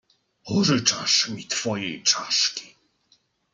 "Pożyczasz mi twojej czaszki."